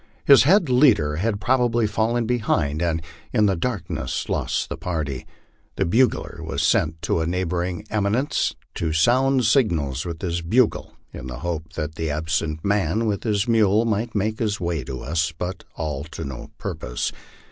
His head leader had probably fallen behind, and in the darkness lost the party. The bugler was sent to a neighboring eminence to sound signals with his bugle, in the hope that the absent man with his mule might make his way to us, but all to no purpose.